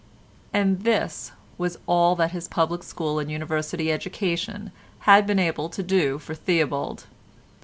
And this was all that his public school and University education had been able to do for Theobald!